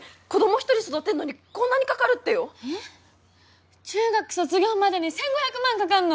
一人育てんのにこんなにかかるってよえっ中学卒業までに１５００万かかんの？